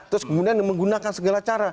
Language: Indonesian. terus kemudian menggunakan segala cara